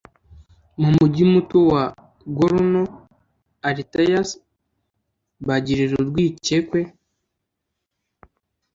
mu mugi muto wa Gorno Altaysk bagirira urwikekwe